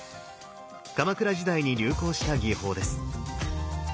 鎌倉時代に流行した技法です。